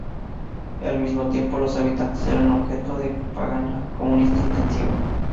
Al mismo tiempo, los habitantes eran objeto de propaganda comunista intensiva.